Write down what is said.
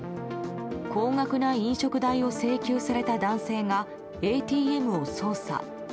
高額な飲食代を請求された男性がＡＴＭを操作。